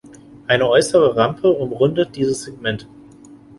Eine äußere Rampe umrundet dieses Segment.